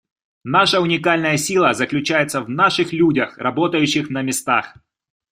Наша уникальная сила заключается в наших людях, работающих на местах.